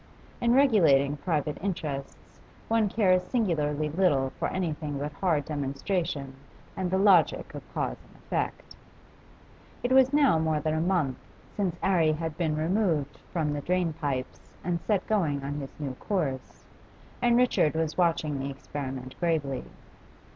In regulating private interests one cares singularly little for anything but hard demonstration and the logic of cause and effect. It was now more than a month since 'Arry had been removed from the drain pipes and set going on his new course, and Richard was watching the experiment gravely.